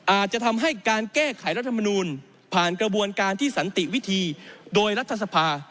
อาจจะทำให้การแก้ไขรัฐมนูลผ่านกระบวนการที่สันติวิธีโดยรัฐสภา